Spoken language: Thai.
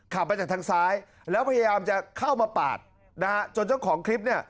ขับมาจากทางซ้ายแล้วพยายามจะเข้ามาปาดนะฮะจนเจ้าของคลิปเนี่ย